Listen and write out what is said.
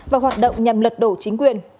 và hoạt động nhằm lật đổ chính quyền